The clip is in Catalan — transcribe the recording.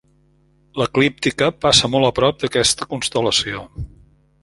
L'eclíptica passa molt a prop d'aquesta constel·lació.